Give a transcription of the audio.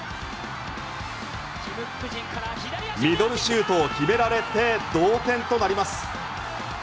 ミドルシュートを決められて同点となります。